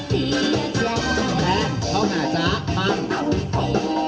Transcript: เพื่อถ้าใครก็เข้ามา